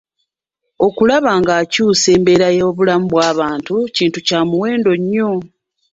Okulaba ng'akyusa embeera y'obulamu bwa bantu kintu kyamuwendo nnyo.